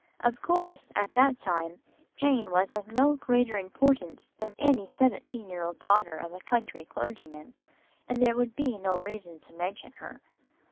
Of course at that time Jane was of no greater importance than any seventeen year old daughter of a country clergyman, and there would be no reason to mention her.